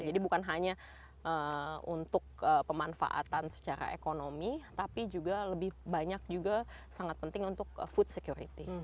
jadi bukan hanya untuk pemanfaatan secara ekonomi tapi juga lebih banyak juga sangat penting untuk food security